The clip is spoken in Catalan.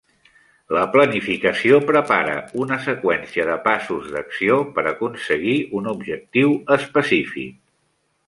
La planificació prepara una seqüència de passos d'acció per aconseguir un objectiu específic.